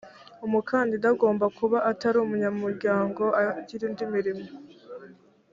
umukandida agomba kuba atari umunyamuryango agira indi mirimo